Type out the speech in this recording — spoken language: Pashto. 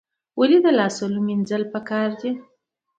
لاسونه ولې مینځل پکار دي؟